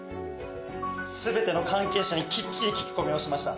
すべての関係者にきっちり聞き込みをしました。